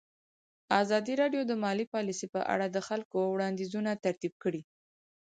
ازادي راډیو د مالي پالیسي په اړه د خلکو وړاندیزونه ترتیب کړي.